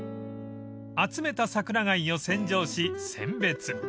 ［集めた桜貝を洗浄し選別］